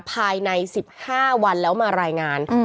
ภายใน๑๕วันแล้วมารายงาน